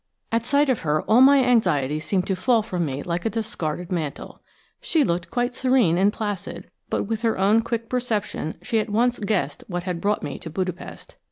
At sight of her all my anxieties seemed to fall from me like a discarded mantle. She looked quite serene and placid, but with her own quick perception she at once guessed what had brought me to Budapest.